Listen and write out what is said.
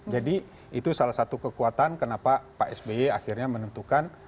jadi itu salah satu kekuatan kenapa pak sby akhirnya menentukan